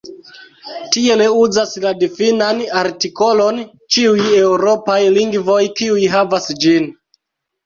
Tiel uzas la difinan artikolon ĉiuj eŭropaj lingvoj kiuj havas ĝin.